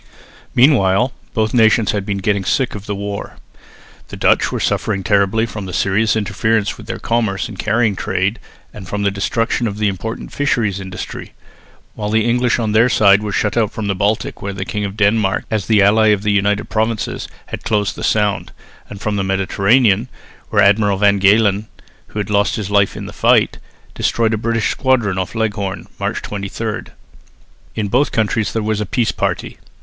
Meanwhile both nations had been getting sick of the war. The Dutch were suffering terribly from the serious interference with their commerce and carrying trade and from the destruction of the important fisheries industry, while the English on their side were shut out from the Baltic, where the King of Denmark, as the ally of the United Provinces, had closed the Sound, and from the Mediterranean, where Admiral van Galen, who lost his life in the fight, destroyed a British squadron off Leghorn (March 23). In both countries there was a peace party.